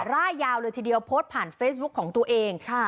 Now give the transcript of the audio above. ร่ายยาวเลยทีเดียวโพสต์ผ่านเฟซบุ๊คของตัวเอง